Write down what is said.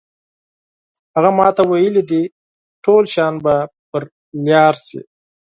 هغه ماته ویلي دي ټول شیان به پر لار شي.